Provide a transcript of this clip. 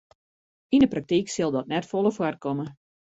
Yn 'e praktyk sil dat net folle foarkomme.